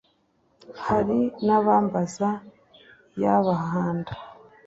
hari n ' abambaza iya bahanda ;